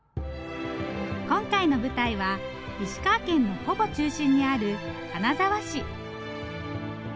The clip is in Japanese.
今回の舞台は石川県のほぼ中心にある金沢市。